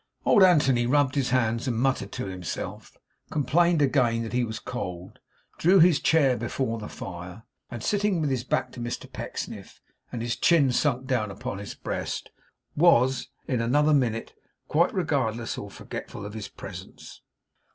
Old Anthony rubbed his hands and muttered to himself; complained again that he was cold; drew his chair before the fire; and, sitting with his back to Mr Pecksniff, and his chin sunk down upon his breast, was, in another minute, quite regardless or forgetful of his presence.